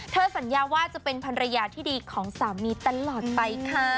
สัญญาว่าจะเป็นภรรยาที่ดีของสามีตลอดไปค่ะ